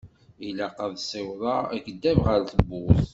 Ilaq ad ssiwḍeɣ akeddab ar tewwurt.